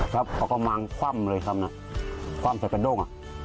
ครับเขาก็วางคว่ำเลยครับนะคว่ำเสร็จเป็นด้วง